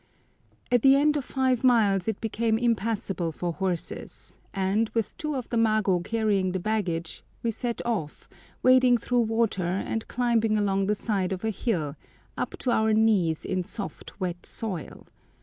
At the end of five miles it became impassable for horses, and, with two of the mago carrying the baggage, we set off, wading through water and climbing along the side of a hill, up to our knees in soft wet soil.